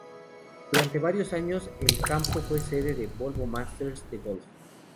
Durante varios años, el campo fue sede del Volvo Masters de golf.